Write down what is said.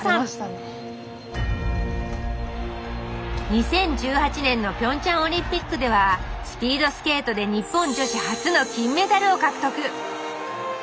２０１８年のピョンチャンオリンピックではスピードスケートで日本女子初の金メダルを獲得。